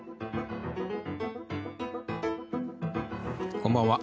こんばんは。